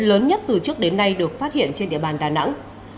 lớn nhất từ trước đến nay được phát hiện trên địa bàn đà nẵng